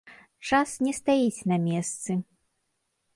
Час не стаіць на месцы.